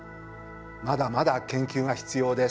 まだまだ研究が必要です。